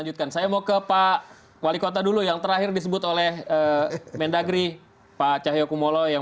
bukan dengan ada yang di daerah lain